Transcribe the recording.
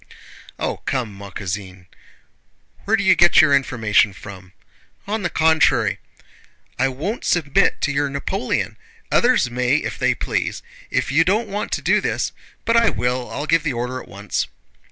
"Oh, come, ma cousine! Where do you get your information from? On the contrary..." "I won't submit to your Napoleon! Others may if they please.... If you don't want to do this..." "But I will, I'll give the order at once."